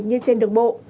như trên đường bộ